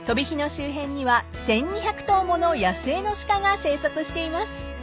周辺には１，２００頭もの野生の鹿が生息しています］